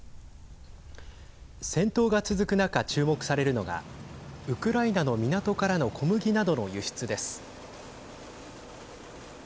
戦闘が続く中、注目されるのがウクライナの港からの小麦などの輸出です。